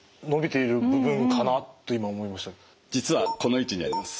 実はこの位置にあります。